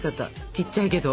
ちっちゃいけど。